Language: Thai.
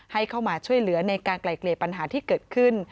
ให้เข้ามาช่วยเหลือในการไกลเกลี่ยปัญหาที่เกิดขึ้น